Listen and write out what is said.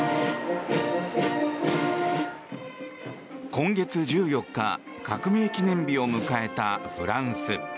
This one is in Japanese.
今月１４日革命記念日を迎えたフランス。